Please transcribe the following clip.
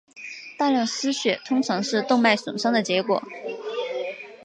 大量失血通常是动脉损伤的结果。